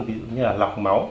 ví dụ như là lọc máu